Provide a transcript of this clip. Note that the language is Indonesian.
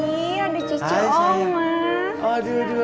ini adik cucu om ma